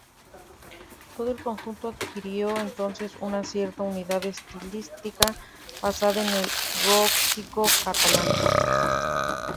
Todo el conjunto adquirió entonces una cierta unidad estilística basada en el gótico catalán.